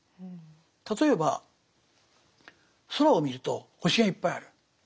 例えば空を見ると星がいっぱいある。